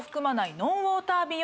ノンウォーター美容